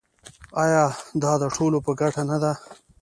آیا دا د ټولو په ګټه نه ده؟